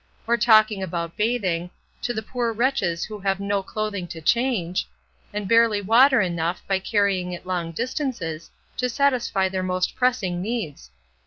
Or talking about bathing, to the poor wretches who have no clothing to change, and barely water enough, by carrying it long distances, to satisfy their most pressing needs!